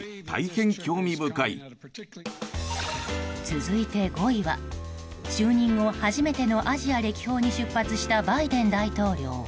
続いて５位は就任後、初めてのアジア歴訪に出発したバイデン大統領。